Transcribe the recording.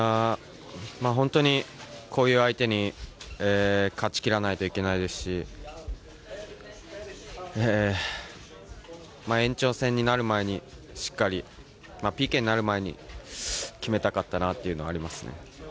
こういう相手に勝ち切らないといけないですし延長戦になる前にＰＫになる前に決めたかったなというのはあります。